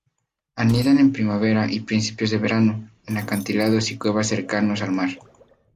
Anidan en primavera y principios de verano, en acantilados y cuevas cercanos al mar.